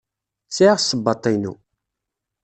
Sɛiɣ ssebbat-inu.